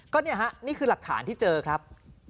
ก็นี่คือหลักฐานที่เจอครับ